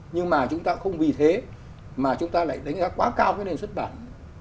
nhưng mà chúng ta không vì thế mà chúng ta lại đánh giá quá cao cái nền xuất bản